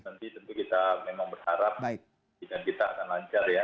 nanti tentu kita memang berharap kita akan lancar ya